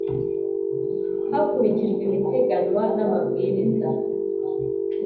Hakurikijwe ibiteganywa n amabwiriza